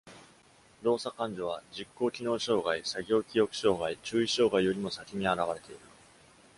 動作緩徐は実行機能障害、作業記憶障害、注意障害よりも先に表れている。